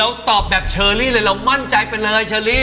ตอบแบบเชอรี่เลยเรามั่นใจไปเลยเชอรี่